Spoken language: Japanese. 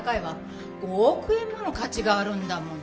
５億円もの価値があるんだもの。